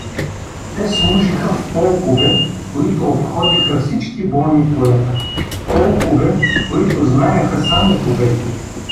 Те служиха в полкове, които обходиха всички бойни полета, полкове, които знаяха само победи.